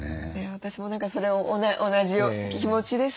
私も何かそれは同じような気持ちです。